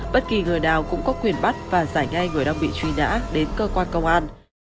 bất kỳ người nào cũng có quyền bắt và giải ngay người đang bị truy nã đến cơ quan công an